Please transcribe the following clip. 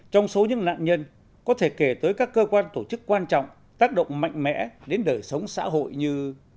trong số những nạn nhân có thể kể tới các cơ quan tổ chức quan trọng tác động mạnh mẽ đến đời sống xã hội như